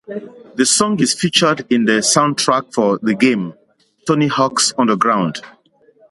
The song is featured in the soundtrack for the game "Tony Hawk's Underground".